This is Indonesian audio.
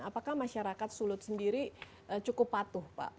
jadi masyarakat sulut sendiri cukup patuh pak